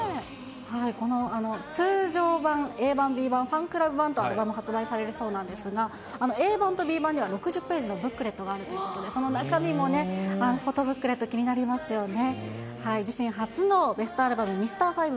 この通常盤、Ａ版、Ｂ版、ファンクラブ版とアルバム発売されるそうなんですが、Ａ版とＢ版には６０ページのブックレットがあるということで、その中身もね、フォトブックレット気になりますよね。